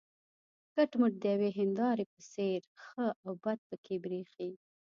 کټ مټ د یوې هینداره په څېر ښه او بد پکې برېښي.